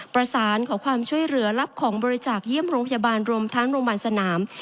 ประสานขอความช่วยเหลือรับของบริจาคเยี่ยมโรงพยาบาลรวมทั้งโรงพยาบาลสนาม